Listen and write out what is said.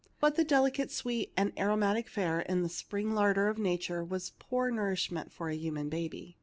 But the delicate, sweet, and aromatic fare in the spring larder of nature was poor nourishment for a human baby.